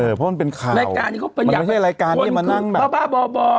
เออเพราะมันเป็นข่าวมันไม่ใช่รายการนี้มานั่งแบบบ่อ